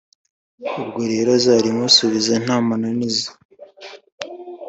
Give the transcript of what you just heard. ubwo rero uzarimusubize nta mananiza.